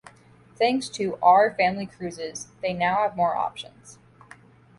Thanks to "R Family Cruises" they now have more options.